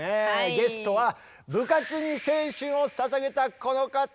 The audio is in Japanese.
ゲストは部活に青春をささげたこの方！